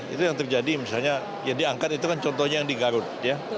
itu yang terjadi misalnya yang diangkat itu kan contohnya yang di garut ya